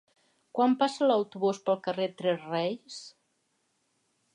Quan passa l'autobús pel carrer Tres Reis?